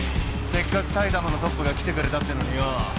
せっかく埼玉のトップが来てくれたってのによ